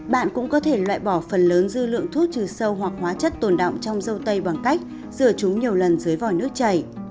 bạn cũng có thể loại bỏ phần lớn dư lượng thuốc trừ sâu hoặc hóa chất tồn động trong dâu tây bằng cách rửa chúng nhiều lần dưới vòi nước chảy